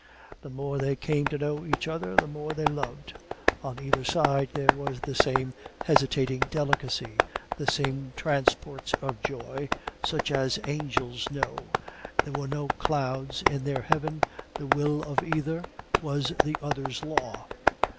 The more they came to know of each other, the more they loved. On either side there was the same hesitating delicacy, the same transports of joy such as angels know; there were no clouds in their heaven; the will of either was the other's law.